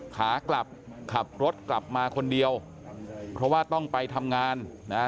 ขากลับขับรถกลับมาคนเดียวเพราะว่าต้องไปทำงานนะ